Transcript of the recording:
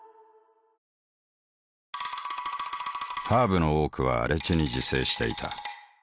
ハーブの多くは荒地に自生していた。